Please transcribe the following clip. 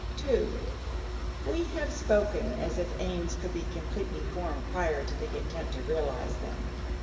(2) We have spoken as if aims could be completely formed prior to the attempt to realize them.